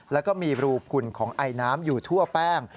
แล้วก็มีรูพุนของไอน้ำอยู่ทั่วแป้ง